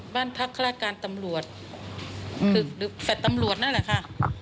บ้านพักฆาตการตำรวจคือแฟลต์ตำรวจนั่นแหละค่ะ